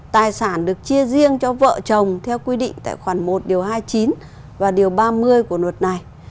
tài sản được chia riêng cho vợ chồng theo quy định tại khoản một điều hai mươi chín và điều ba mươi của luật này